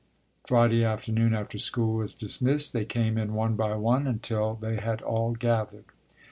Friday afternoon, after school was dismissed, they came in one by one until they had all gathered.